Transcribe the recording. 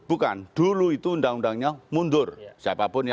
bukan dulu itu undang undangnya mundur siapapun yang mau